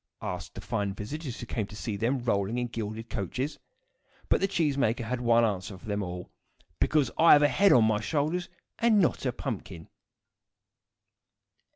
asked the fine visitors who came to see them, rolling in gilded coaches. But the cheese maker had one answer for them all: "Because I have a head on my shoulders, and not a pumpkin."